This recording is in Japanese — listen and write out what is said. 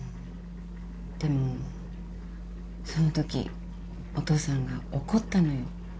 でもそのときお父さんが怒ったのよ。